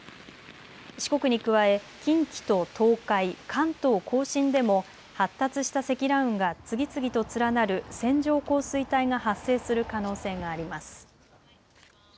四国に加え近畿と東海、関東甲信でも発達した積乱雲が次々と連なる線状降水帯が発生する可能性があります。